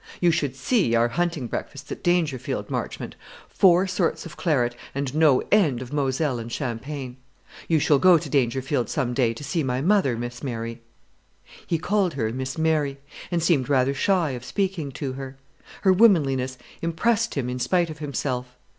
You should see our hunting breakfasts at Dangerfield, Marchmont. Four sorts of claret, and no end of Moselle and champagne. You shall go to Dangerfield some day, to see my mother, Miss Mary." He called her "Miss Mary," and seemed rather shy of speaking to her. Her womanliness impressed him in spite of himself.